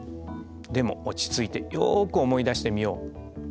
でも落ち着いてよく思い出してみよう。